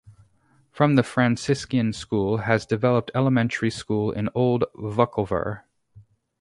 From the Franciscan School has developed elementary school in Old Vukovar.